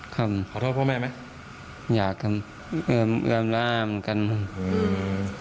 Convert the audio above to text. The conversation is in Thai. ครับขอโทษพ่อแม่ไหมอยากเอิมเอิมร่ามกันอืม